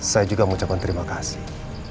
saya juga mengucapkan terima kasih